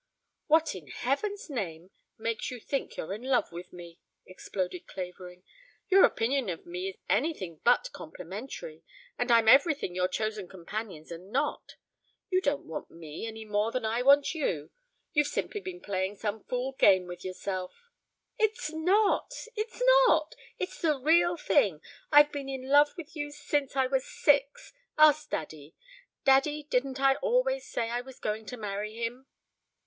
"What in heaven's name makes you think you're in love with me?" exploded Clavering. "Your opinion of me is anything but complimentary, and I'm everything your chosen companions are not. You don't want me any more than I want you. You've simply been playing some fool game with yourself " "It's not! It's not! It's the real thing. I've been in love with you since I was six. Ask daddy. Daddy, didn't I always say I was going to marry him?"